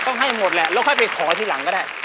ให้หมดแหละแล้วค่อยไปขอทีหลังก็ได้